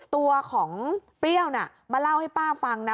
ตัวของเปรี้ยวน่ะมาเล่าให้ป้าฟังนะ